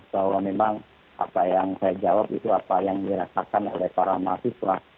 bahwa memang apa yang saya jawab itu apa yang dirasakan oleh para mahasiswa